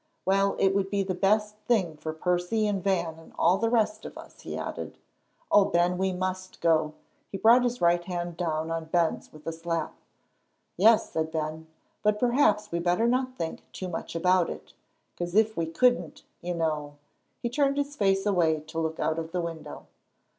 "Well, it would be the best thing for Percy and Van and all the rest of us," he added. "Oh, Ben, we must go!" He brought his right hand down on Ben's with a slap. "Yes," said Ben, "but perhaps we better not think too much about it, 'cause if we couldn't, you know," he turned his face away to look out of the window.